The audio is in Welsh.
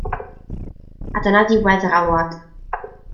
A dyna ddiwedd yr alwad.